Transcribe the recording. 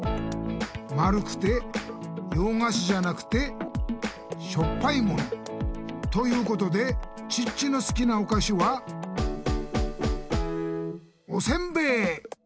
丸くて洋菓子じゃなくてしょっぱいもの！ということでチッチの好きなお菓子はおせんべい！